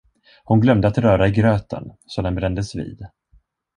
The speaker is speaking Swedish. Hon glömde att röra i gröten, så den brändes vid.